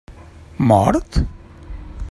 Mort?